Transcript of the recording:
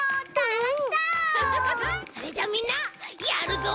それじゃあみんなやるぞ！